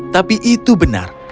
tapi itu benar